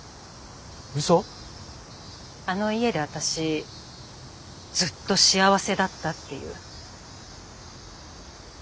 あの家で私ずっと幸せだったっていう。